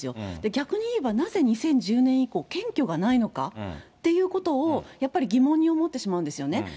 逆に言えばなぜ２０１０年以降、検挙がないのかっていうことを、やっぱり疑問に思ってしまうんですよね。